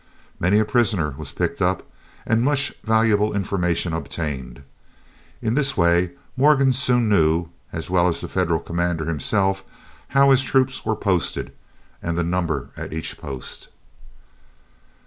Many a prisoner was picked up, and much valuable information obtained. In this way Morgan soon knew, as well as the Federal commander himself, how his troops were posted, and the number at each post.